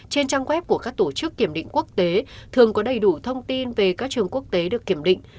trên trang web của các tổ chức kiểm định quốc tế thường có đầy đủ thông tin về các trường quốc tế được kiểm định